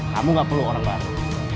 kamu gak perlu orang baru